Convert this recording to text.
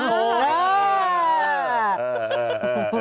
โอ้โห